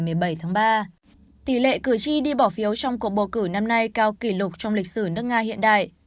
cửa chi đi bỏ phiếu trong cuộc bầu cử năm nay cao kỷ lục trong lịch sử nước nga hiện đại